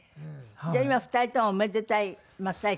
じゃあ今２人ともおめでたい真っ最中？